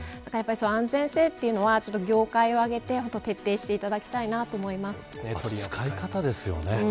安全性というのは業界を挙げて徹底していただきたいなあと使い方ですよね。